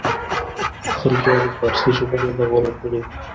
خلجیانو فارسي ژبه نه ده غوره کړې.